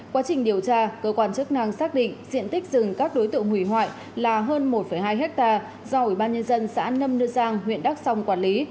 quá trình điều tra cơ quan chức năng xác định diện tích rừng các đối tượng hủy hoại là hơn một hai hectare do ủy ban nhân dân xã nâm nưa giang huyện đắk song quản lý